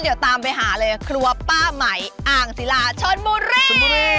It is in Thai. ก็ตามไปหาเลยครัวป้าไหมอางสิลาชนมุษย์